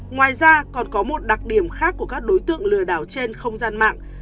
ngoài ra còn có một đặc điểm khác của các đối tượng lừa đảo trên không gian mạng